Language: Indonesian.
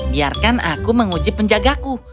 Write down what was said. biarkan aku menguji penjagaku